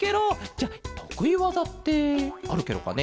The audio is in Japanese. じゃあとくいわざってあるケロかね？